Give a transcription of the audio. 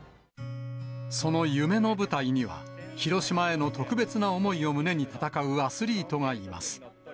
その夢の舞台には、広島への特別な思いを胸に戦うアスリートがいます。